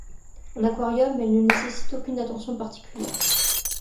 En aquarium, elle ne nécessite aucune attention particulière.